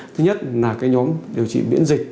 thứ nhất là nhóm điều trị miễn dịch